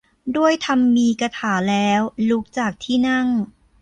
ด้วยธรรมีกถาแล้ว ลุกจากที่นั่ง